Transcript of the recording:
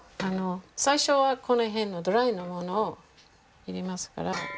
最初はこの辺のドライの物を入れますから。